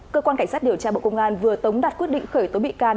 cơ quan cảnh sát điều tra bộ công an vừa tống đặt quyết định khởi tố bị can